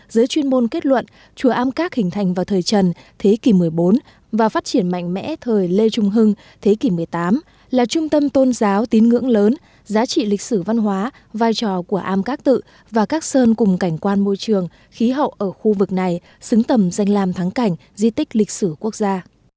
giới chuyên môn kết luận chùa am các hình thành vào thời trần thế kỷ một mươi bốn và phát triển mạnh mẽ thời lê trung hưng thế kỷ một mươi tám là trung tâm tôn giáo tín ngưỡng lớn giá trị lịch sử văn hóa vai trò của am các tự và các sơn cùng cảnh quan môi trường khí hậu ở khu vực này xứng tầm danh làm thắng cảnh di tích lịch sử quốc gia